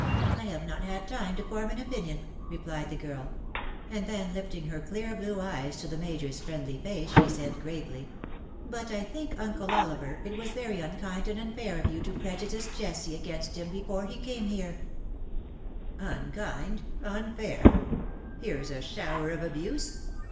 I have not had time to form an opinion," replied the girl ; and then lifting her clear bine eyes to the Major^s friendly face, she said^ gravely, "bat I think, Uncle Oliver, it was very unkind and unfair of you to prejudice Jessie against him before he came here/^ " Unkind !— unfair ! Kerens a shower of abuse